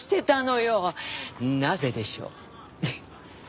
なぜでしょう？